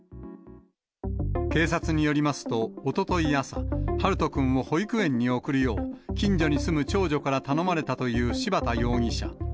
警察によりますと、おととい朝、陽翔くんを保育園に送るよう、近所に住む長女から頼まれたという柴田容疑者。